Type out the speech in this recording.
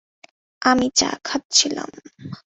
আমি চা খাচ্ছিলাম।